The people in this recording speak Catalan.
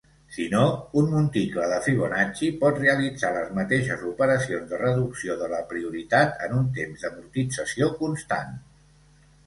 Si no, un monticle de Fibonacci pot realitzar les mateixes operacions de reducció de la prioritat en un temps d'amortització constant.